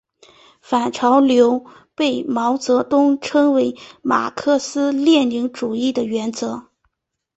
反潮流被毛泽东称为马克思列宁主义的原则。